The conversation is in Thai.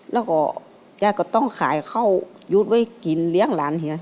แล้วก็แกก็ต้องขายข้าวยุทธ์ไว้กินเลี้ยงหลานเฮีย